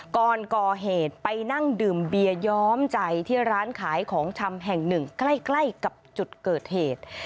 ก่อนก่อเหตุไปนั่งดื่มเบียย้อมใจที่ร้านขายของชำแห่งหนึ่งใกล้กับจุดเกิดเหตุ